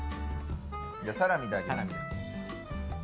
サラミいただきます。